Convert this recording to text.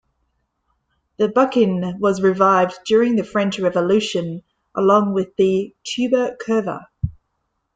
The buccin was revived during the French Revolution, along with the "tuba curva".